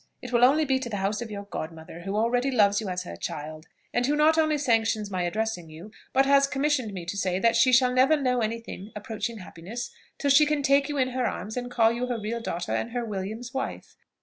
It will only be to the house of your godmother, who already loves you as her child; and who not only sanctions my addressing you, but has commissioned me to say that she shall never know any thing approaching happiness till she can take you in her arms and call you her real daughter and her William's wife.